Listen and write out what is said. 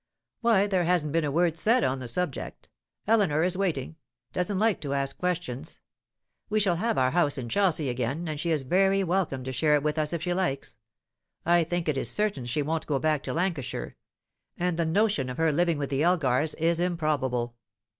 "Why, there hasn't been a word said on the subject. Eleanor is waiting; doesn't like to ask questions. We shall have our house in Chelsea again, and she is very welcome to share it with us if she likes. I think it is certain she won't go back to Lancashire; and the notion of her living with the Elgars is improbable."